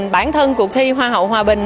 bản thân cuộc thi hoa hậu hòa bình